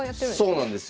そうなんですよ。